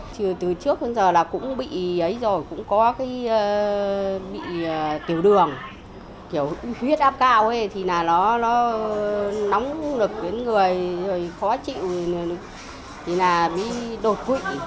từ trước đến giờ cũng bị ấy rồi cũng có cái bị tiểu đường huyết áp cao nóng lực đến người khó chịu đột quỵ